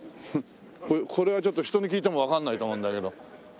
これはちょっと人に聞いてもわかんないと思うんだけど。